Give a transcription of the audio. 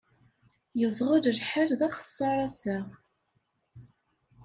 Yeẓɣel lḥal d axeṣṣar ass-a.